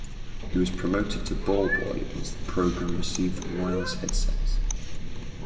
He was promoted to ball boy once the program received wireless headsets.